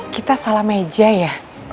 kita salah meja ya